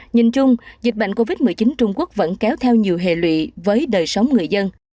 nhìn chung dịch bệnh covid một mươi chín trung quốc vẫn kéo theo nhiều hệ lụy với đời sống người dân